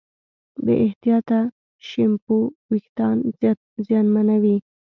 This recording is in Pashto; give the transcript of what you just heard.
بې احتیاطه شیمپو وېښتيان زیانمنوي.